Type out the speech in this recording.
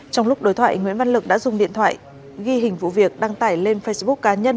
trong lúc đối thoại nguyễn văn lực đã dùng điện thoại ghi hình vụ việc đăng tải lên facebook cá nhân